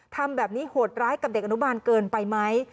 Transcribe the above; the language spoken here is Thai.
ทำแบบนี้โหดร้ายกับเด็กอนุบาลเกินไปไหม